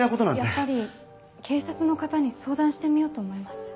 やっぱり警察の方に相談してみようと思います。